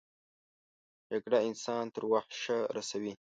جګړه انسان تر وحشه رسوي